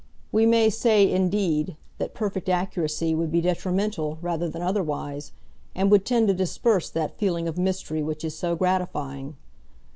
We may say, indeed, that perfect accuracy would be detrimental rather than otherwise, and would tend to disperse that feeling of mystery which is so gratifying.